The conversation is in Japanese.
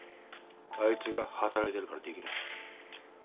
あいつが働いてるからできない。